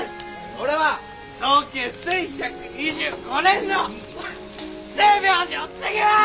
俺は創建１，１２５年の星明寺を継ぎます！